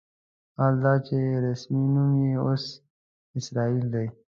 حال دا چې رسمي نوم یې اوس اسرائیل دی.